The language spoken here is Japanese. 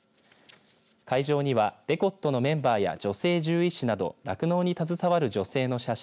会場にはＢｅｃｏｔｔｏのメンバーや女性獣医師など酪農に携わる女性の写真